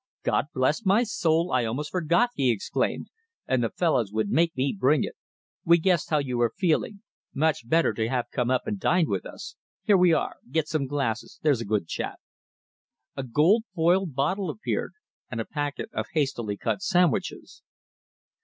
"God bless my soul, I almost forgot!" he exclaimed, "and the fellows would make me bring it. We guessed how you were feeling much better to have come up and dined with us. Here we are! Get some glasses, there's a good chap." A gold foiled bottle appeared, and a packet of hastily cut sandwiches.